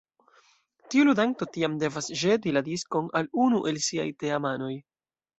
Tiu ludanto tiam devas ĵeti la diskon al unu el siaj teamanoj.